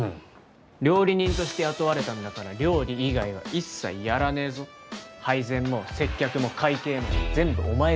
料理人として雇われたんだから料理以外は一切やらねえぞ。配膳も接客も会計も全部お前がやれ。